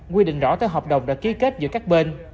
quy định rõ tới hợp đồng đã ký kết giữa các bên